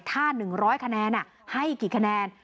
ถ้า๑๐๐คะแนนให้กี่คะแนน